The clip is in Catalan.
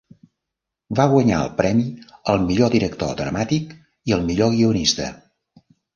Va guanyar el Premi al millor director dramàtic, i al millor guionista.